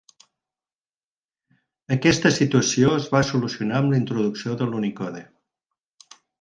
Aquesta situació es va solucionar amb l'introducció de l'Unicode.